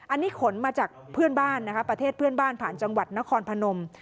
อันนี้ขนมาจากเพื่อนบ้านนะคะประเทศเพื่อนบ้านผ่านจังหวัดนครพนม